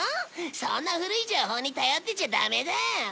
そんな古い情報に頼ってちゃダメだよ。